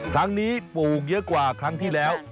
ครั้งนี้ปลูกเยอะกว่าครั้งที่แล้ว